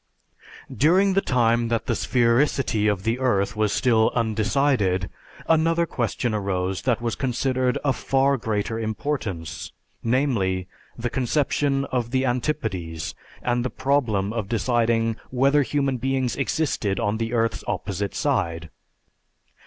During the time that the sphericity of the earth was still undecided, another question arose that was considered of far greater importance, namely, the conception of the antipodes and the problem of deciding whether human beings existed on the earth's opposite side.